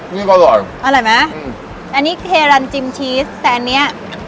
นี่ก็อร่อยอร่อยไหมอืมอันนี้เฮรันจิมชีสแต่อันเนี้ย